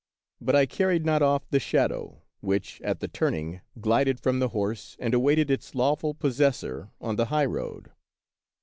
But I carried not off the shadow, which at the turning glided from the horse and awaited its lawful possessor on the highroad.